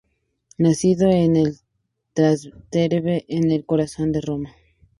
Nacido en el Trastevere, en el corazón de Roma.